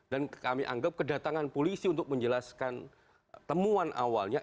dan kami anggap kedatangan polisi untuk menjelaskan temuan awalnya